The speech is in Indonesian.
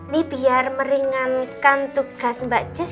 nih biar meringankan tugas mbak jess